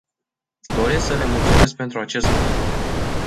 Doresc să le mulțumesc pentru acest lucru.